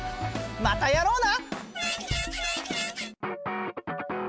またやろうな！